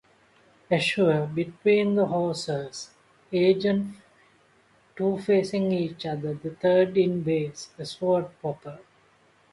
Azure, between horseshoes argent, two facing each, the third in base, a sword proper.